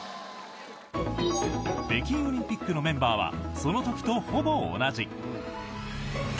北京オリンピックのメンバーはその時とほぼ同じ。